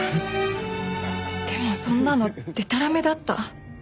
でもそんなのデタラメだった。